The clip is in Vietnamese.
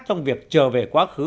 trong việc trở về quá khứ